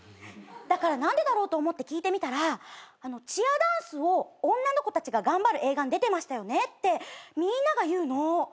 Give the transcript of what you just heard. だから何でだろうと思って聞いてみたら「チアダンスを女の子たちが頑張る映画に出てましたよね」ってみんなが言うの。